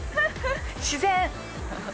自然！